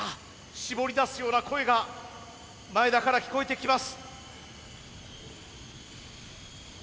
絞り出すような声が前田から聞こえてきます。